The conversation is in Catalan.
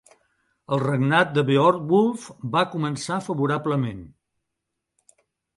El regnat de Beorhtwulf va començar favorablement.